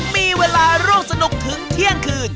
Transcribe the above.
มีเวลาร่วมสนุกถึงเที่ยงคืน